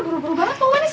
buru buru banget pak wanis